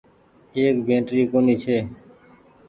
ايڪ بيٽري ڪونيٚ ڇي۔